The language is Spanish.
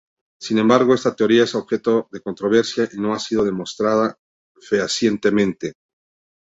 Sin embargo, esta teoría es objeto de controversia y no ha sido demostrada fehacientemente.